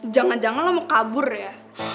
jangan jangan lo mau kabur ya